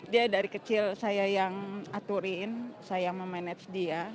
dia dari kecil saya yang aturin saya yang memanage dia